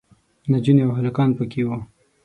نجونې او هلکان پکې وو.